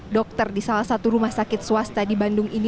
dokter di salah satu rumah sakit swasta di bandung ini